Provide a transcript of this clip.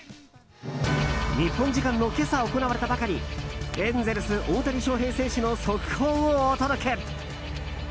日本時間の今朝行われたばかりエンゼルス、大谷翔平選手の速報をお届け！